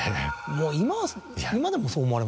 もう今は今でもそう思われます？